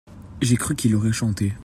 j'ai cru qu'il aurait chanté.